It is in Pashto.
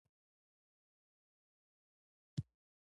آیا د پښتنو په کلتور کې د میلمه پالنې لپاره ځانګړې خونه نه وي؟